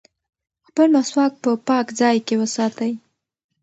خپل مسواک په پاک ځای کې وساتئ.